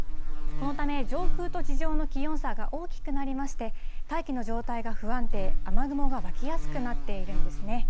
このため、上空と地上の気温差が大きくなりまして、大気の状態が不安定、雨雲が湧きやすくなってるんですね。